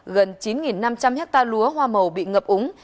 gần chín năm trăm linh hectare lúa hoa màu bị ngập úng